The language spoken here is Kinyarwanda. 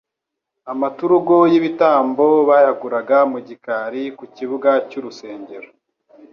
amaturugo y'ibitambo bayaguraga mu gikari ku kibuga cy'urusengero.